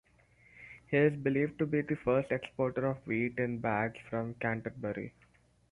He is believed to be the first exporter of wheat in bags from Canterbury.